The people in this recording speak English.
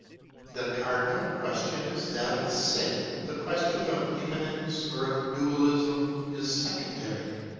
The cardinal question is that of sin. The question of immanence or of dualism is secondary.